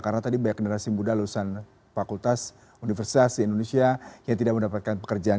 karena tadi banyak generasi muda lulusan fakultas universitas indonesia yang tidak mendapatkan pekerjaan